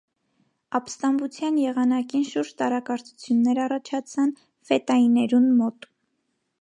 Ապստամբութեան եղանակին շուրջ տարակարծութիւններ յառաջացան ֆետայիներուն մօտ։